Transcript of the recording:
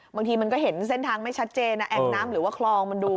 บางทีมันก็เห็นเส้นทางไม่ชัดเจนแอ่งน้ำหรือว่าคลองมันดู